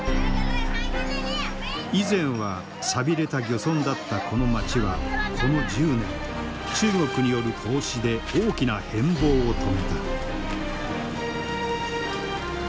以前は寂れた漁村だったこの街はこの１０年中国による投資で大きな変貌を遂げた。